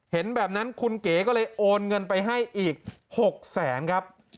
เห็นแบบนั้นคุณเก๋ก็เลยโอนเงินไปให้อีก๖แสนครับ